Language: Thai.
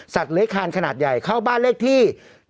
สัตว์เล้ยคานขนาดใหญ่เข้าบ้านเลขที่